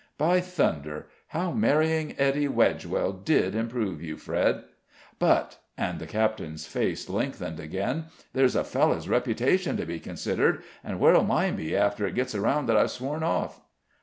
By thunder! how marrying Ettie Wedgewell did improve you, Fred! But," and the captain's face lengthened again, "there's a fellow's reputation to be considered, and where'll mine be after it gets around that I've sworn off?"